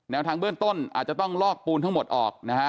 ทางเบื้องต้นอาจจะต้องลอกปูนทั้งหมดออกนะฮะ